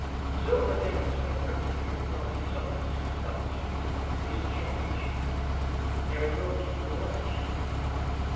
Silvertip has been friendly here because he sells us his pelts. He's a Shawnee chief. There he goes through the willows!"